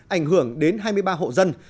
ảnh hưởng đến hai mươi ba hộ dân